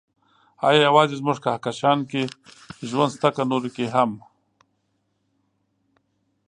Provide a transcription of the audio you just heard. ايا يوازې زموږ کهکشان کې ژوند شته، که نورو کې هم؟